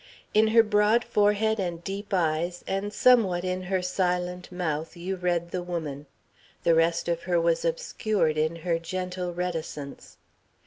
In her broad forehead and deep eyes and somewhat in her silent mouth, you read the woman the rest of her was obscured in her gentle reticence.